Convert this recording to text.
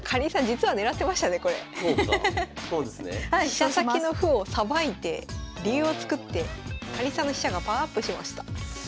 飛車先の歩をさばいて竜を作ってかりんさんの飛車がパワーアップしました。